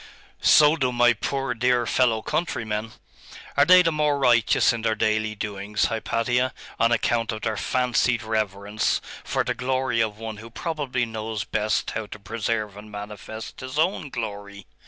'So do my poor dear fellow countrymen. Are they the more righteous in their daily doings, Hypatia, on account of their fancied reverence for the glory of One who probably knows best how to preserve and manifest His own glory?